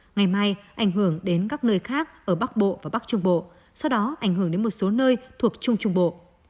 ngày mai ảnh hưởng đến các nơi khác ở bắc bộ và bắc trung bộ sau đó ảnh hưởng đến một số nơi thuộc trung trung bộ